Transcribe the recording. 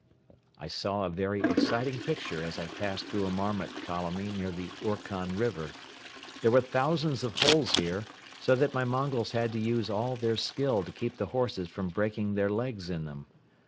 I saw a very exciting picture as I passed through a marmot colony near the Orkhon River. There were thousands of holes here so that my Mongols had to use all their skill to keep the horses from breaking their legs in them.